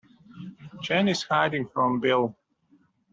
Jen is hiding from Bill.